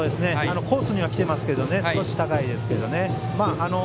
コースにはきていますけど少し高いですね。